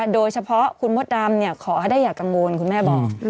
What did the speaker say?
โดยเฉพาะคุณมดดำขอให้ได้อย่ากังวลคุณแม่บอก